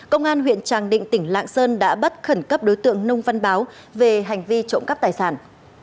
công an huyện tràng định tỉnh lạng sơn đã bắt khẩn cấp đối tượng nông văn báo về hành vi trộm cắp tài sản